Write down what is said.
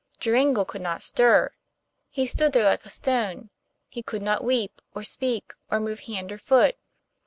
Joringel could not stir; he stood there like a stone; he could not weep, or speak, or move hand or foot.